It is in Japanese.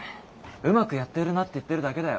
うまくやってるなって言ってるだけだよ。